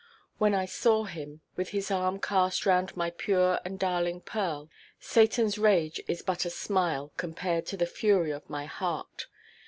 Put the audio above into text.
When I saw him, with his arm cast round my pure and darling Pearl, Satanʼs rage is but a smile compared to the fury of my heart.